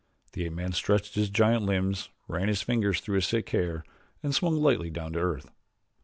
The ape man stretched his giant limbs, ran his fingers through his thick hair, and swung lightly down to earth.